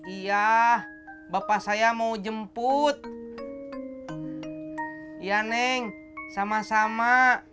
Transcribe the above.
iya bapak saya mau jemput ya neng sama sama